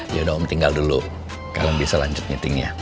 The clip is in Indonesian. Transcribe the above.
yaudah om tinggal dulu kalian bisa lanjut meetingnya